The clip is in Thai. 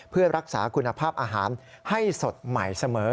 เพื่อรักษาคุณภาพอาหารให้สดใหม่เสมอ